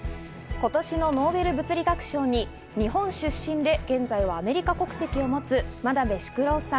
今年のノーベル物理学賞に日本出身で現在はアメリカ国籍を持つ真鍋淑郎さん